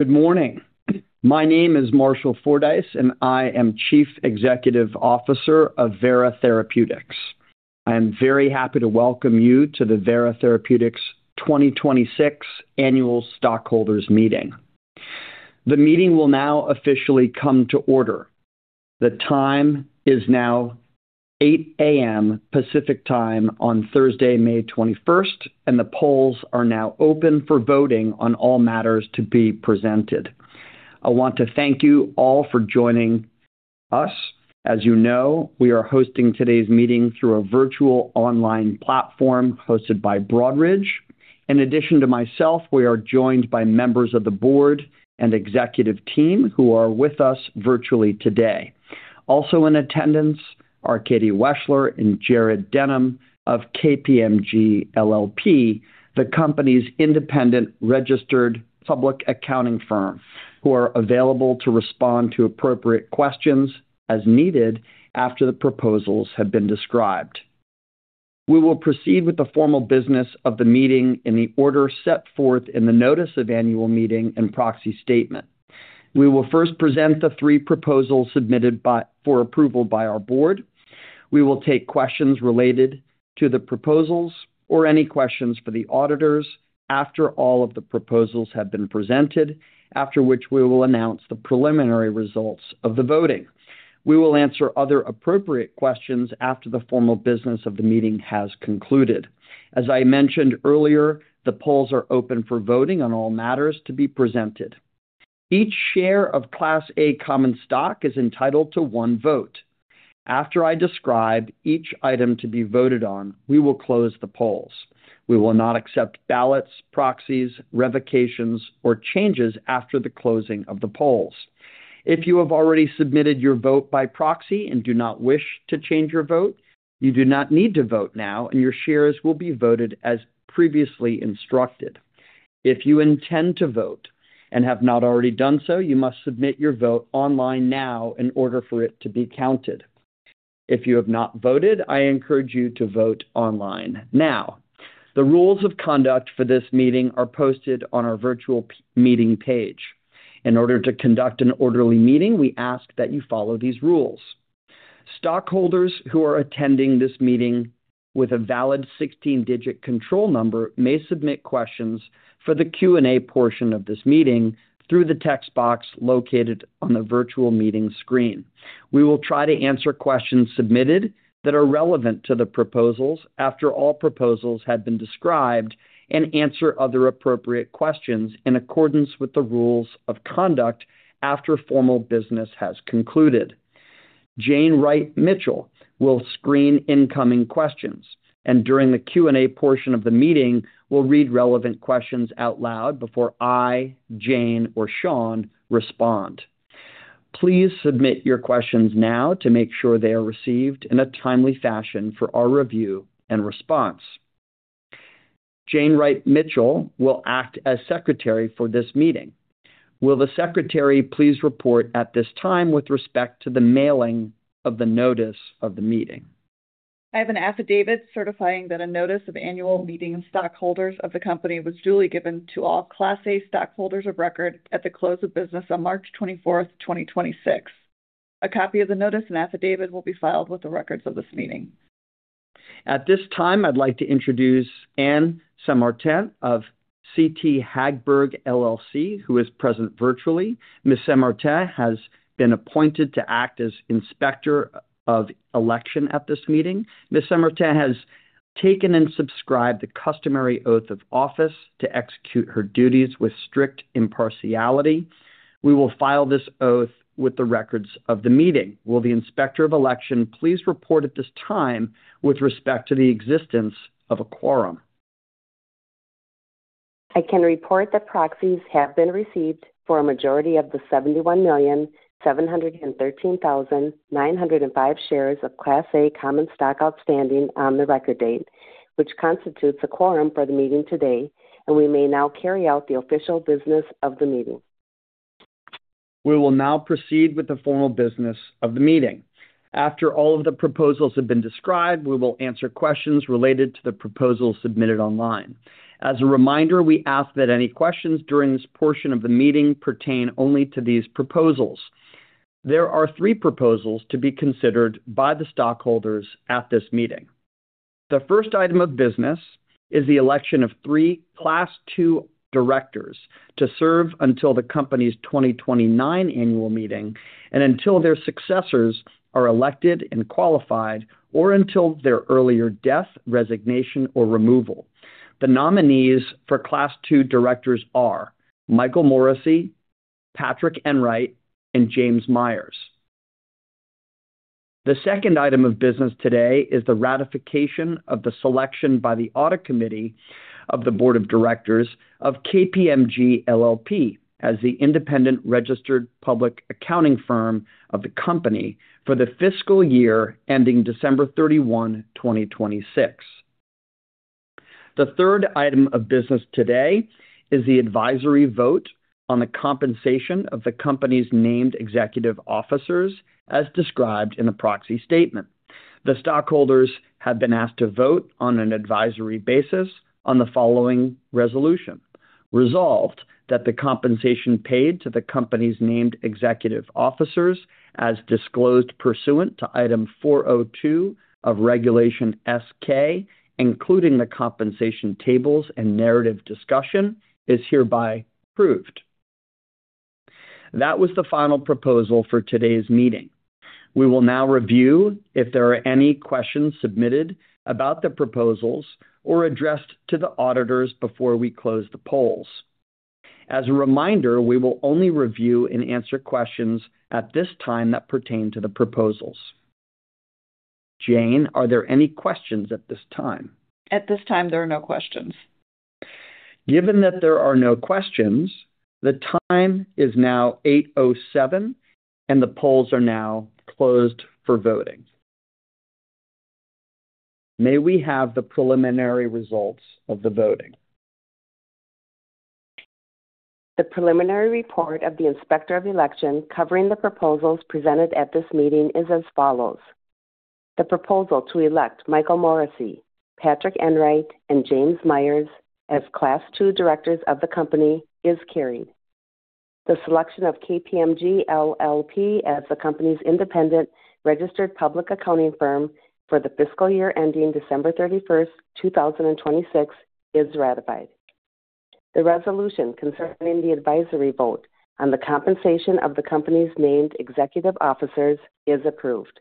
Good morning. My name is Marshall Fordyce, and I am Chief Executive Officer of Vera Therapeutics. I am very happy to welcome you to the Vera Therapeutics 2026 Annual Stockholders Meeting. The meeting will now officially come to order. The time is now 8:00 A.M. Pacific Time on Thursday, May 21st, and the polls are now open for voting on all matters to be presented. I want to thank you all for joining us. As you know, we are hosting today's meeting through a virtual online platform hosted by Broadridge. In addition to myself, we are joined by members of the board and executive team who are with us virtually today. Also in attendance are Katie Wechsler and Jared Denham of KPMG LLP, the company's independent registered public accounting firm, who are available to respond to appropriate questions as needed after the proposals have been described. We will proceed with the formal business of the meeting in the order set forth in the notice of annual meeting and proxy statement. We will first present the 3 proposals submitted for approval by our board. We will take questions related to the proposals or any questions for the auditors after all of the proposals have been presented, after which we will announce the preliminary results of the voting. We will answer other appropriate questions after the formal business of the meeting has concluded. As I mentioned earlier, the polls are open for voting on all matters to be presented. Each share of Class A common stock is entitled to 1 vote. After I describe each item to be voted on, we will close the polls. We will not accept ballots, proxies, revocations, or changes after the closing of the polls. If you have already submitted your vote by proxy and do not wish to change your vote, you do not need to vote now, and your shares will be voted as previously instructed. If you intend to vote and have not already done so, you must submit your vote online now in order for it to be counted. If you have not voted, I encourage you to vote online now. The rules of conduct for this meeting are posted on our virtual meeting page. In order to conduct an orderly meeting, we ask that you follow these rules. Stockholders who are attending this meeting with a valid 16-digit control number may submit questions for the Q&A portion of this meeting through the text box located on the virtual meeting screen. We will try to answer questions submitted that are relevant to the proposals after all proposals have been described and answer other appropriate questions in accordance with the rules of conduct after formal business has concluded. Jane Wright-Mitchell will screen incoming questions and during the Q&A portion of the meeting will read relevant questions out loud before I, Jane, or Sean respond. Please submit your questions now to make sure they are received in a timely fashion for our review and response. Jane Wright-Mitchell will act as secretary for this meeting. Will the secretary please report at this time with respect to the mailing of the notice of the meeting? I have an affidavit certifying that a notice of annual meeting of stockholders of the company was duly given to all Class A stockholders of record at the close of business on March 24th, 2026. A copy of the notice and affidavit will be filed with the records of this meeting. At this time, I'd like to introduce Anne St. Martin of CT Hagberg LLC, who is present virtually. Ms. St. Martin has been appointed to act as inspector of election at this meeting. Ms. St. Martin has taken and subscribed the customary oath of office to execute her duties with strict impartiality. We will file this oath with the records of the meeting. Will the inspector of election please report at this time with respect to the existence of a quorum? I can report that proxies have been received for a majority of the 71,713,905 shares of Class A common stock outstanding on the record date, which constitutes a quorum for the meeting today, and we may now carry out the official business of the meeting. We will now proceed with the formal business of the meeting. After all of the proposals have been described, we will answer questions related to the proposals submitted online. As a reminder, we ask that any questions during this portion of the meeting pertain only to these proposals. There are 3 proposals to be considered by the stockholders at this meeting. The first item of business is the election of 3 Class II directors to serve until the company's 2029 annual meeting and until their successors are elected and qualified, or until there are earlier death, resignation, or removal. The nominees for Class II directors are Michael Morrissey, Patrick Enright, and James Myers. The second item of business today is the ratification of the selection by the Audit Committee of the Board of Directors of KPMG LLP as the independent registered public accounting firm of the company for the fiscal year ending December 31, 2026. The third item of business today is the advisory vote on the compensation of the company's named executive officers, as described in the proxy statement. The stockholders have been asked to vote on an advisory basis on the following resolution. Resolved that the compensation paid to the company's named executive officers as disclosed pursuant to Item 402 of Regulation S-K, including the compensation tables and narrative discussion, is hereby approved. That was the final proposal for today's meeting. We will now review if there are any questions submitted about the proposals or addressed to the auditors before we close the polls. As a reminder, we will only review and answer questions at this time that pertain to the proposals. Jane, are there any questions at this time? At this time, there are no questions. Given that there are no questions, the time is now 8:07, and the polls are now closed for voting. May we have the preliminary results of the voting? The preliminary report of the Inspector of Election covering the proposals presented at this meeting is as follows. The proposal to elect Michael Morrissey, Patrick Enright, and James Myers as Class II directors of the company is carried. The selection of KPMG LLP as the company's independent registered public accounting firm for the fiscal year ending December 31, 2026 is ratified. The resolution concerning the advisory vote on the compensation of the company's named executive officers is approved.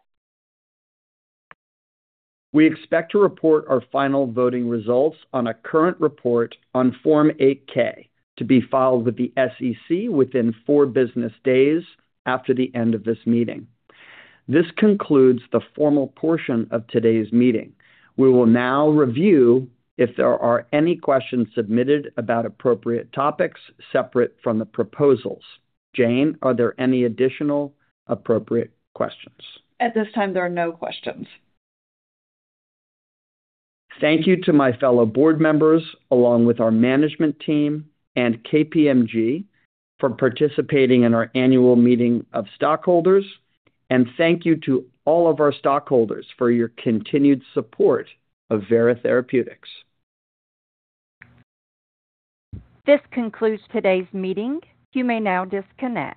We expect to report our final voting results on a current report on Form 8-K, to be filed with the SEC within four business days after the end of this meeting. This concludes the formal portion of today's meeting. We will now review if there are any questions submitted about appropriate topics separate from the proposals. Jane Wright-Mitchell, are there any additional appropriate questions? At this time, there are no questions. Thank you to my fellow board members, along with our management team and KPMG for participating in our annual meeting of stockholders, and thank you to all of our stockholders for your continued support of Vera Therapeutics. This concludes today's meeting. You may now disconnect.